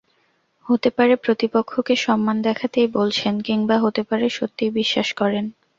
হতে পারে প্রতিপক্ষকে সম্মান দেখাতেই বলছেন, কিংবা হতে পারে সত্যিই বিশ্বাস করেন।